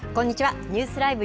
ニュースＬＩＶＥ！